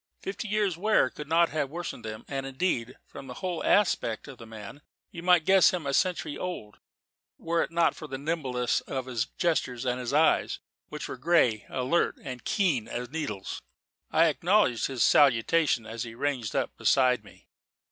Fifty years' wear could not have worsened them; and, indeed, from the whole aspect of the man, you might guess him a century old, were it not for the nimbleness of his gestures and his eyes, which were grey, alert, and keen as needles. I acknowledged his salutation as he ranged up beside me.